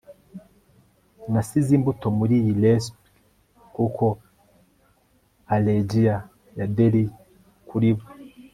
nasize imbuto muri iyi resept kuko allergiya ya delia kuri bo